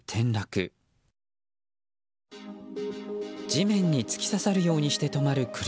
地面に突き刺さるようにして止まる車。